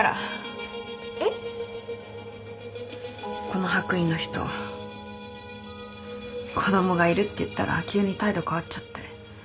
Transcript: この白衣の人子どもがいるって言ったら急に態度変わっちゃって。